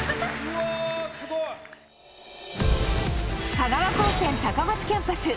香川高専高松キャンパス。